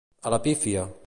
A la pífia.